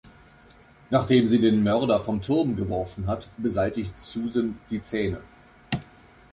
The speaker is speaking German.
Nachdem sie den Mörder vom Turm geworfen hat, beseitigt Susan die Zähne.